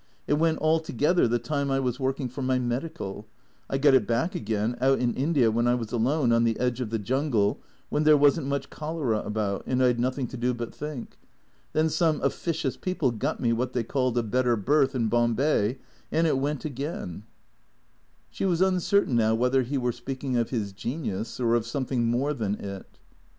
It went altogether the time I was working for my medical. I got it back again out in India when I was alone, on the edge of the jungle, when there was n't much cholera about, and I 'd nothing to do but think. Then some officious people got me what they called a better berth in Bom bay; and it went again." 214 THE CREATORS She was uncertain now whether he were speaking of his genius, or of something more than it.